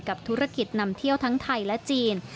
ธุรกิจนำเที่ยวทั้งไทยและจีน